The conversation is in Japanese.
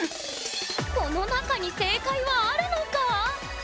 この中に正解はあるのか？